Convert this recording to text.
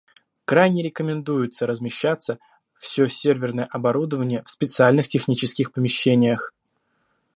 Крайне рекомендуется размещаться все серверное оборудование в специальных технических помещениях